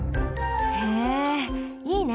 へえいいね！